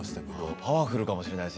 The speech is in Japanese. パワフルかもしれないです